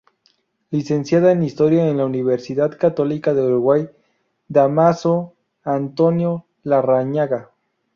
Licenciada en Historia en la Universidad Católica de Uruguay "Dámaso Antonio Larrañaga".